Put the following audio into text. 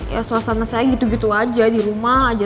ya suasana saya gitu gitu aja